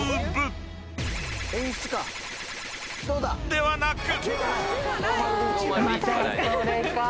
［ではなく］